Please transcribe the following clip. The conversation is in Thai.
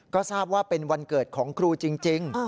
ก็ทราบว่าเป็นวันเกิดของครูจริง